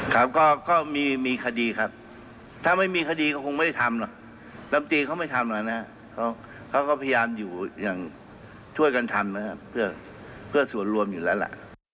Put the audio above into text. เขาก็พยายามอยู่อย่างช่วยกันทำนะครับเพื่อเผื่อส่วนรวมอยู่แล้วละ